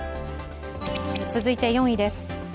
続いて、４位です。